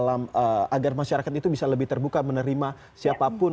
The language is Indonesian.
agar masyarakat itu bisa lebih terbuka menerima siapapun